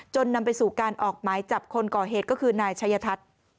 นำไปสู่การออกหมายจับคนก่อเหตุก็คือนายชัยทัศน์